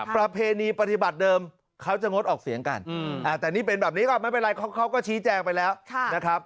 ประเพณีปฏิบัติเดิมเขาจะงดออกเสียงกันแต่นี่เป็นแบบนี้ก็ไม่เป็นไรเขาก็ชี้แจงไปแล้วนะครับ